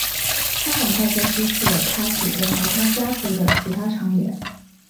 他很快就失去了他姐姐和他家族的其他成员。